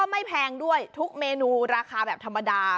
ไม่แพงด้วยทุกเมนูราคาแบบธรรมดา